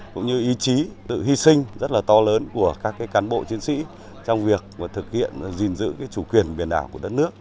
cũng như ý chí sự hy sinh rất là to lớn của các cán bộ chiến sĩ trong việc thực hiện gìn giữ chủ quyền biển đảo của đất nước